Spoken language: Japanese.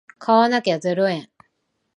買わなきゃゼロ円